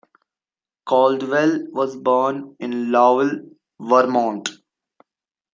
Caldwell was born in Lowell, Vermont.